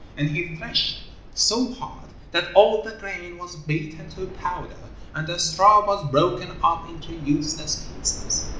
And he threshed so hard that all the grain was beaten to powder and the straw was broken up into useless pieces.